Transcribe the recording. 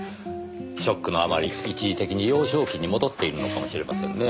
ショックのあまり一時的に幼少期に戻っているのかもしれませんね。